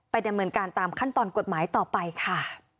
ดำเนินการตามขั้นตอนกฎหมายต่อไปค่ะ